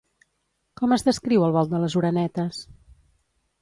Com es descriu el vol de les orenetes?